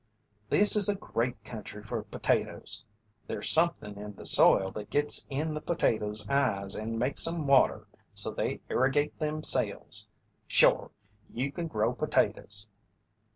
"This is a great country for potatoes. There's somethin' in the soil that gits in the potatoes' eyes and makes 'em water so they irrigate themselves. Shore! you can grow potatoes."